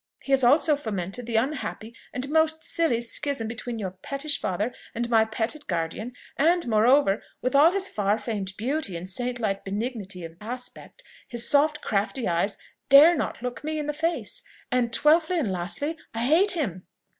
He has also fomented the unhappy and most silly schism between your pettish father and my petted guardian; and moreover, with all his far famed beauty and saint like benignity of aspect, his soft crafty eyes dare not look me in the face. And twelfthly and lastly, I hate him."